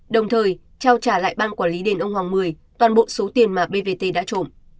đồng thời trao trả lại ban quản lý đền ông hoàng mười toàn bộ số tiền mà bvt đã trộm